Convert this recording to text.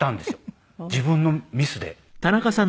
自分のミスで。